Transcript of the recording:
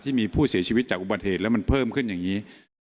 ที่มีผู้เสียชีวิตจากอุบัติเหตุแล้วมันเพิ่มขึ้นอย่างนี้